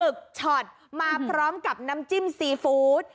ึกช็อตมาพร้อมกับน้ำจิ้มซีฟู้ด